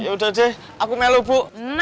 ya udah deh aku melu bu